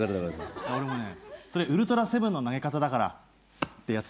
ウルトラセブンの投げ方だからさ。